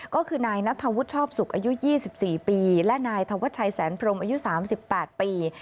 ก็คือนายนัทธวุฒิชอบศุกร์อายุยี่สิบสี่ปีและนายธวัชชัยแสนพรมอายุสามสิบแปดปี